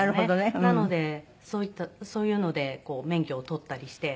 なのでそういうので免許を取ったりして。